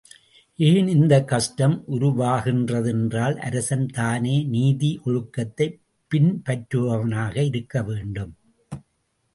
ஏன் இந்தக் கஷ்டம் உருவாகின்றது என்றால், அரசன் தானே, நீதி ஒழுக்கத்தைப் பின்பற்றுபனாக இருக்க வேண்டும்.